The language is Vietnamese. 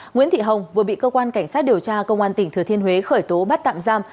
nguyễn thị hồng vừa bị cơ quan cảnh sát điều tra công an tỉnh thừa thiên huế khởi tố bắt tạm giam